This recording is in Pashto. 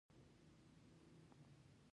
خر غوښتل چې د موټر په څېر تېز شي، خو ونه شول.